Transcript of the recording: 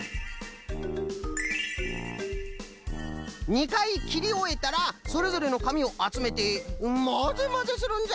２かいきりおえたらそれぞれのかみをあつめてまぜまぜするんじゃ！